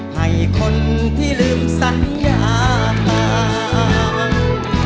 ให้คนที่ลืมสัญญาต่าง